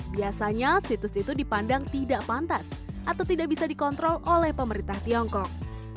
biasanya situs itu dipandang tidak pantas atau tidak bisa dikontrol oleh pemerintah tiongkok